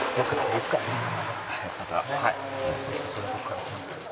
はいまたお願いします。